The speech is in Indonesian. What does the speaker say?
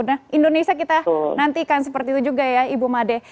nah indonesia kita nantikan seperti itu juga ya ibu made